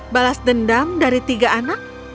balas dendam dari tiga anak